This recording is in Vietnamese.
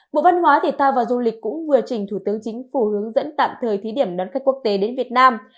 bộ văn hóa thể thao và du lịch cũng vừa trình thủ tướng chính phủ hướng dẫn tạm thời thí điểm đón khách quốc tế đến việt nam